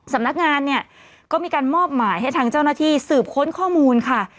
สำนักงานเนี่ยก็มีการมอบหมายให้ทางเจ้าหน้าที่สืบค้นข้อมูลค่ะ